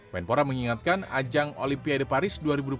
menpora mengingatkan ajang olimpiade paris